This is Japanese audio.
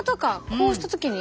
こうした時に。